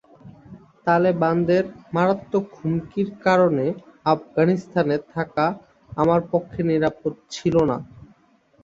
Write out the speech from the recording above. তালেবানদের মারাত্মক হুমকির কারণে আফগানিস্তানে থাকা আমার পক্ষে নিরাপদ ছিল না।